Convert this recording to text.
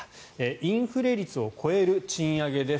インフレ率を超える賃上げです。